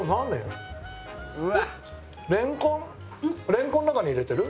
レンコン中に入れてる？